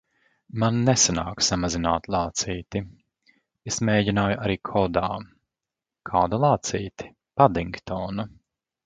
Man nesanāk samazināt lācīti. Es mēģināju arī kodā. Kādu lācīti? Padingtonu.